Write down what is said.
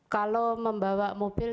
kalau membawa mobil